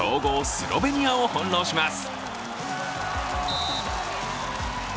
スロベニアを翻弄します。